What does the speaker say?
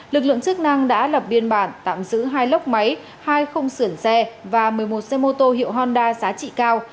lực lượng chức năng đã lập biên bản tạm giữ hai lốc máy hai không sưởng xe và một mươi một xe mô tô hiệu honda giá trị cao